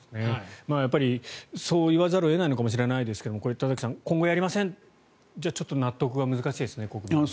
やっぱりそう言わざるを得ないのかもしれませんが田崎さん、今後やりませんではちょっと納得が難しいですね国民は。